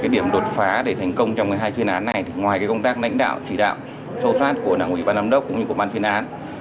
điểm đột phá để thành công trong hai chuyên án này ngoài công tác lãnh đạo chỉ đạo sâu sát của đảng ủy ban giám đốc cũng như của ban chuyên án